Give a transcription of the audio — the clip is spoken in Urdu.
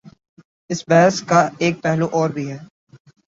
اس بحث کا ایک پہلو اور بھی ہے۔